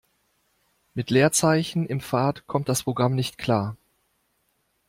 Mit Leerzeichen im Pfad kommt das Programm nicht klar.